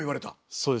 そうです。